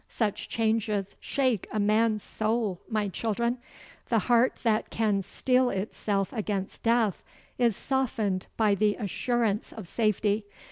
Such changes shake a man's soul, my children. The heart that can steel itself against death is softened by the assurance of safety.